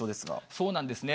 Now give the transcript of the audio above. そうなんですね。